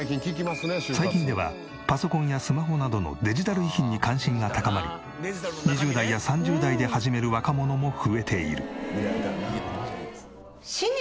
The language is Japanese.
最近ではパソコンやスマホなどのデジタル遺品に関心が高まり２０代や３０代で始める若者も増えている。